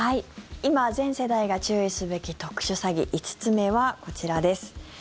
今、全世代が注意すべき特殊詐欺５つ目はこちらです。